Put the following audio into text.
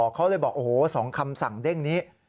เขาเลยบอกโอ้โห๒คำสั่งเด้งนี้